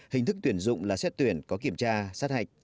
hình thức tuyển dụng là xét tuyển có kiểm tra sát hạch